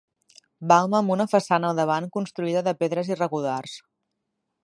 Balma amb una façana al davant construïda de pedres irregulars.